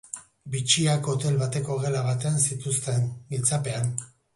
Bitxiak hotel bateko gela batean zituzten, giltzapean.